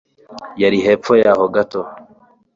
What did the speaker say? yari hepfo yaho gato.